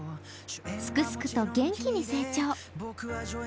すくすくと元気に成長。